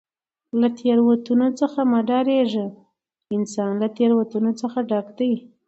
له تېروتنو څخه مه بېرېږه! انسان له تېروتنو څخه ډک دئ.